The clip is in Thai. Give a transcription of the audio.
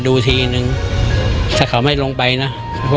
วันนี้แม่ช่วยเงินมากกว่า